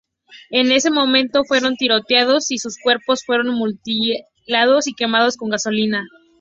En ese momento fueron tiroteados y sus cuerpos fueron mutilados y quemados con gasolina.